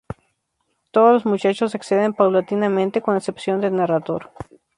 Todos los muchachos acceden paulatinamente, con excepción del narrador.